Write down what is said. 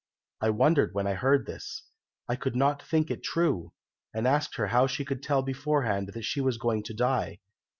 I wondered when I heard this. I could not think it true, and asked her how she could tell beforehand that she was going to die.